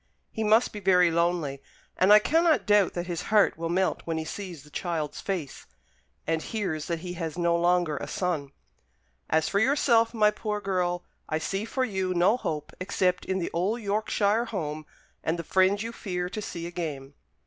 He must be very lonely; and I cannot doubt that his heart will melt when he sees the child's face, and hears that he has no longer a son. As for yourself, my poor girl, I see for you no hope except in the old Yorkshire home, and the friends you fear to see again."